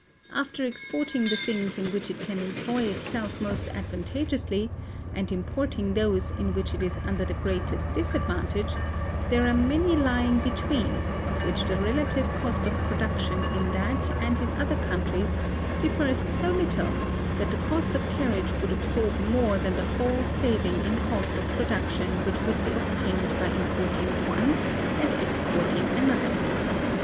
After exporting the things in which it can employ itself most advantageously, and importing those in which it is under the greatest disadvantage, there are many lying between, of which the relative cost of production in that and in other countries differs so little that the cost of carriage would absorb more than the whole saving in cost of production which would be obtained by importing one and exporting another.